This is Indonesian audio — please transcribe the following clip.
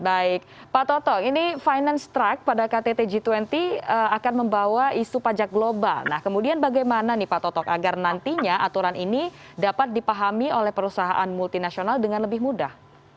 baik pak toto ini finance track pada ktt g dua puluh akan membawa isu pajak global nah kemudian bagaimana nih pak totok agar nantinya aturan ini dapat dipahami oleh perusahaan multinasional dengan lebih mudah